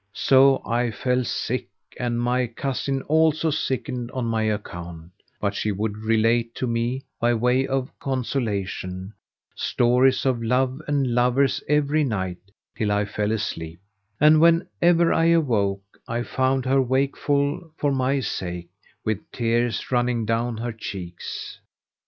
So I fell sick and my cousin also sickened on my account; but she would relate to me, by way of consolation, stories of love and lovers every night till I fell asleep; and when ever I awoke, I found her wakeful for my sake with tears running down her cheeks.